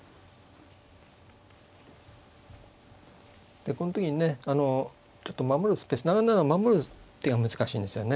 でこん時にねあのちょっと守るスペース７七を守る手が難しいんですよね。